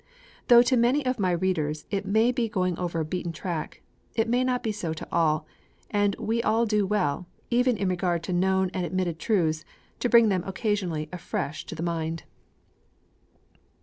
Though to many of my readers it may be going over a beaten track, it may not be so to all; and we all do well, even in regard to known and admitted truths, to bring them occasionally afresh to the mind.